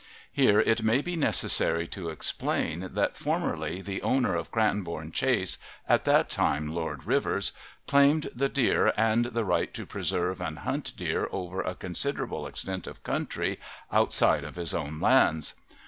Here it may be necessary to explain that formerly the owner of Cranbourne Chase, at that time Lord Rivers, claimed the deer and the right to preserve and hunt deer over a considerable extent of country outside of his own lands.